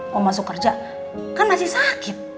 mau masuk kerja kan masih sakit